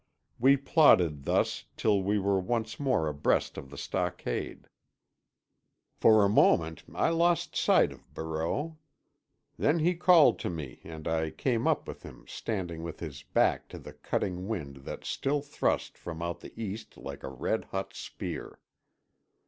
We plodded thus till we were once more abreast of the stockade. For a moment I lost sight of Barreau; then he called to me and I came up with him standing with his back to the cutting wind that still thrust from out the east like a red hot spear.